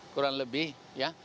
kurang lebih ya